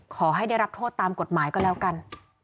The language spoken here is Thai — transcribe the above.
ขอให้ได้รับโทษตามกฎหมายก็แล้วกัน